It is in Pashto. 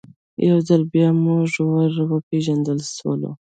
یو ځل بیا موږ ور وپېژندل سولو.